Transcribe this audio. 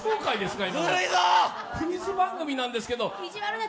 クイズ番組なんですけど。